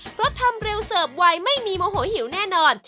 เพราะทำเร็วเสิร์ฟไวไม่มีโมโหหิวแน่นอน